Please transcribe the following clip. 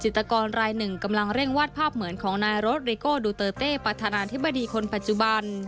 ตกรรายหนึ่งกำลังเร่งวาดภาพเหมือนของนายรถริโก้ดูเตอร์เต้ประธานาธิบดีคนปัจจุบัน